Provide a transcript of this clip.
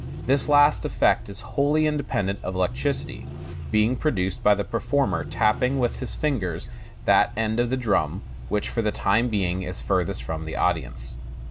This last effect is wholly independent of electricity, being produced by the performer tapping with his fingers that end of the drum which for the time being is farthest from the audience.